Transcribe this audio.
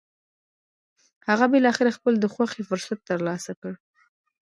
هغه بالاخره خپل د خوښې فرصت تر لاسه کړ.